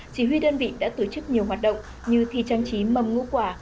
chỉ huy đơn vị đã tổ chức nhiều hoạt động như thi trang trí mâm ngũ quả